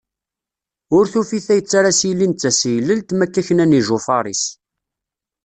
Ur tufi tayet ara as-yellin d tasylelt mi aka knan ijufar-is.